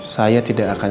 saya tidak akan